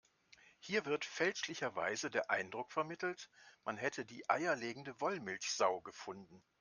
Hier wird fälschlicherweise der Eindruck vermittelt, man hätte die eierlegende Wollmilchsau gefunden.